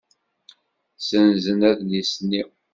Ssenzen adlis-nni.